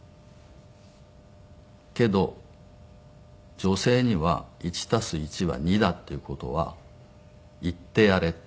けど女性には１足す１は２だっていう事は言ってやれって。